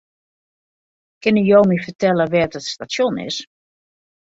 Kinne jo my fertelle wêr't it stasjon is?